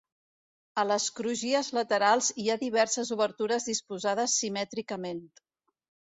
A les crugies laterals hi ha diverses obertures disposades simètricament.